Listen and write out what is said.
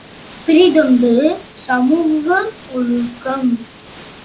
பிறிதொன்று சமூக ஒழுக்கம்.